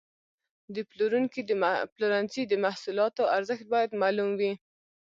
د پلورنځي د محصولاتو ارزښت باید معلوم وي.